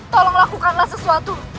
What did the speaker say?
tolong lakukanlah sesuatu